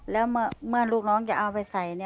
แล้วเมื่อลูกน้องจะเอาไปใส่